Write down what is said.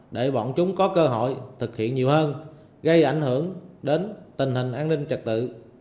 để bọn chúng có cơ hội thực hiện nhiều hơn gây ảnh hưởng đến tình hình an ninh trật tự